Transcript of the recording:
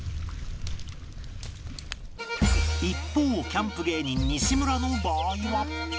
一方キャンプ芸人西村の場合は